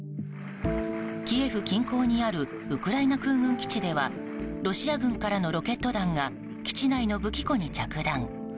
キエフ近郊にあるウクライナ空軍基地ではロシア軍からのロケット弾が基地内の武器庫に着弾。